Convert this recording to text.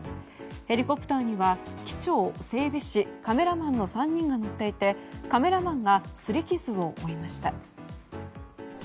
ヘリコプターには機長、整備士、カメラマンの３人が乗っていてカメラマンがすり傷を負いました。